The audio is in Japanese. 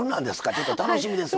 ちょっと楽しみですわ。